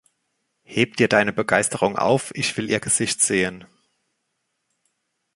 Heb dir deine Begeisterung auf. Ich will ihr Gesicht sehen.